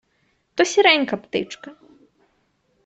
То сіренька птичка.